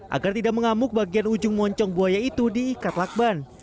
agar tidak mengamuk bagian ujung moncong buaya itu diikat lakban